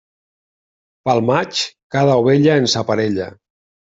Pel maig, cada ovella amb sa parella.